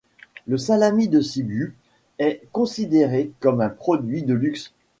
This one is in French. Le salami de Sibiu est considéré comme un produit de luxe.